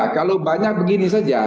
kalau banyak begini saja